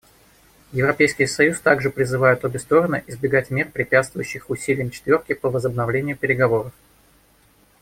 Европейский союз также призывает обе стороны избегать мер, препятствующих усилиям «четверки» по возобновлению переговоров.